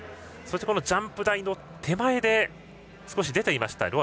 そしてジャンプ台の手前で少し出ていました